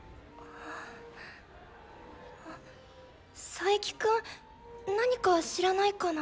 佐伯くん何か知らないかな？